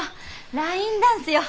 ラインダンスよ。